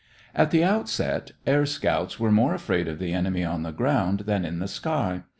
At the outset, air scouts were more afraid of the enemy on the ground than in the sky.